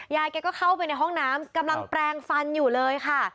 ยายแกก็เข้าไปในห้องน้ำกำลังแปลงฟันอยู่เลยค่ะ